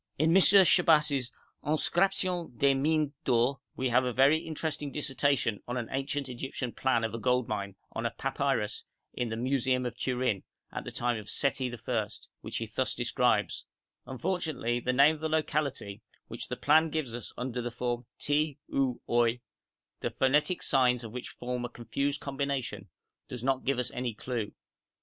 In M. Chabas' 'Inscriptions des Mines d'Or' we have a very interesting dissertation on an ancient Egyptian plan of a gold mine on a papyrus in the museum of Turin, of the time of Seti I., which he thus describes: 'Unfortunately, the name of the locality, which the plan gives us under the form Ti, ou, oi, the phonetic signs of which form a confused combination, does not give us any clue.